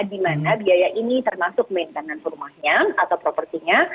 dimana biaya ini termasuk maintenance rumahnya atau propertinya